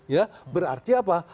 ya berarti apa